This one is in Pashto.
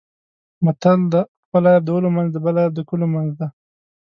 متل دی: خپل عیب د ولو منځ د بل عیب د کلو منځ دی.